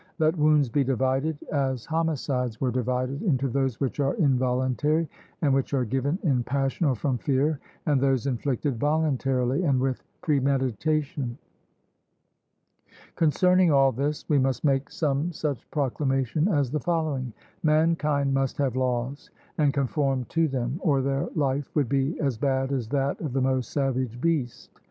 Let wounds be divided as homicides were divided into those which are involuntary, and which are given in passion or from fear, and those inflicted voluntarily and with premeditation. Concerning all this, we must make some such proclamation as the following: Mankind must have laws, and conform to them, or their life would be as bad as that of the most savage beast.